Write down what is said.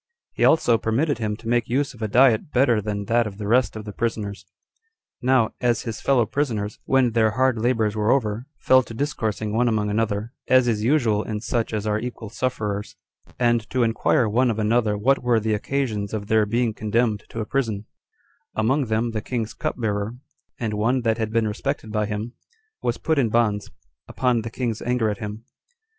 He also permitted him to make use of a diet better than that of the rest of the prisoners. Now, as his fellow prisoners, when their hard labors were over, fell to discoursing one among another, as is usual in such as are equal sufferers, and to inquire one of another what were the occasions of their being condemned to a prison: among them the king's cupbearer, and one that had been respected by him, was put in bonds, upon the king's anger at him.